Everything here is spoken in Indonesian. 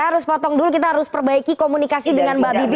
saya harus potong dulu kita harus perbaiki komunikasi dengan mbak bibi